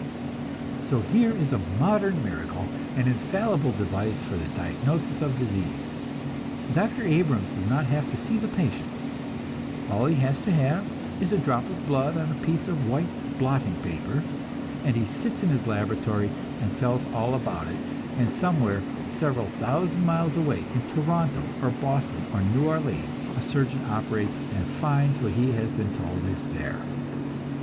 So here is a modern miracle, an infallible device for the diagnosis of disease. Dr. Abrams does not have to see the patient; all he has to have is a drop of blood on a piece of white blotting paper, and he sits in his laboratory and tells all about it, and somewhere several thousand miles away in Toronto or Boston or New Orleans a surgeon operates and finds what he has been told is there!